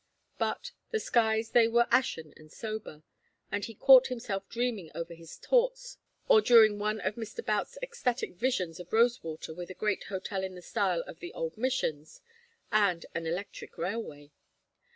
But "the skies they were ashen and sober," and he caught himself dreaming over his "Torts," or during one of Mr. Boutts's ecstatic visions of Rosewater with a great hotel in the style of the old Missions, and an electric railway.